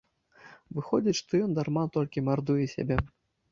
Выходзіць, што ён дарма толькі мардуе сябе?